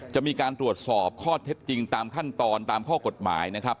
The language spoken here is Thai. จะมีการตรวจสอบข้อเท็จจริงตามขั้นตอนตามข้อกฎหมายนะครับ